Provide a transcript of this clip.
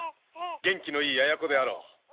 元気のいいやや子であろう。